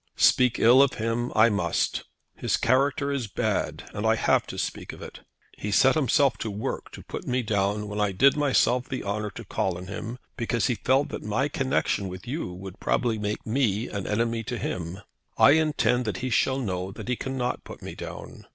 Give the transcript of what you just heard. "Speak ill of him I must. His character is bad, and I have to speak of it. He is a bully. He set himself to work to put me down when I did myself the honour to call on him, because he felt that my connexion with you would probably make me an enemy to him. I intend that he shall know that he cannot put me down.